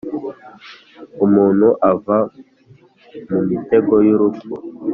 umuntu ava mu mitego y’urupfu